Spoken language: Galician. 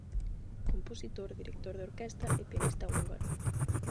Compositor, director de orquestra e pianista húngaro.